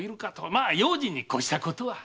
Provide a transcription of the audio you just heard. まあ用心にこしたことは。